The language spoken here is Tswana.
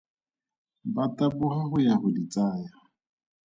Ba taboga go ya go di tsaya.